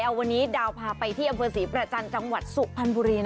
วันนี้ดาวพาไปที่อำเภอศรีประจันทร์จังหวัดสุพรรณบุรี